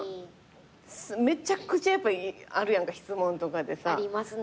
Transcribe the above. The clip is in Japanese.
めちゃくちゃやっぱあるやんか質問とかでさ。ありますね。